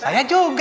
saya juga takut